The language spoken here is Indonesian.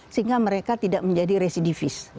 sehingga mereka tidak menjadi residivis